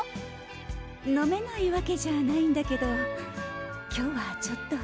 飲めないわけじゃないんだけど今日はちょっと。